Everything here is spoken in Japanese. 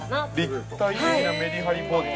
◆立体的なメリハリボディ